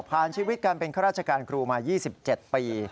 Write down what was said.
ชีวิตการเป็นข้าราชการครูมา๒๗ปี